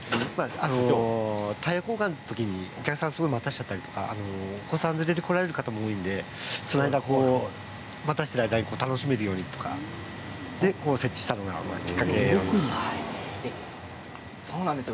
タイヤ交換の時にお客さんを待たせてしまったりお子さん連れで来られる方も多いのでその間、待たせている間に楽しめるようにとかそれで設置したのがきっかけです。